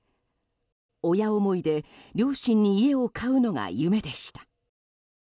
親思いで両親に家を買うのが夢でした。